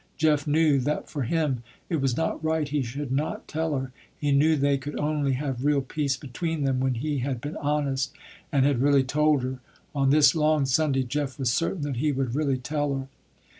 Jeff knew that for him, it was not right he should not tell her. He knew they could only have real peace between them when he had been honest, and had really told her. On this long Sunday Jeff was certain that he would really tell her.